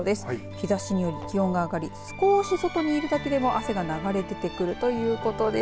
日ざしにより気温が上がり少し外に行くだけでも汗が流れ出てくるということです。